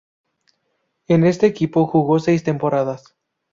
En este equipo jugó seis temporadas.